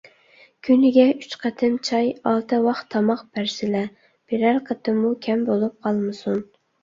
كۈنىگە ئۈچ قېتىم چاي، ئالتە ۋاخ تاماق بەرسىلە، بىرەر قېتىممۇ كەم بولۇپ قالمىسۇن.